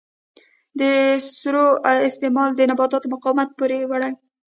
د سرو استعمال د نباتاتو مقاومت پورته وړي.